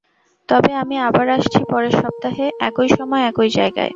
তবে আমি আবার আসছি পরের সপ্তাহে একই সময় একই জায়গায়।